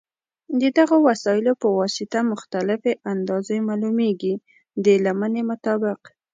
د دغو وسایلو په واسطه مختلفې اندازې معلومېږي د لمنې مطابق.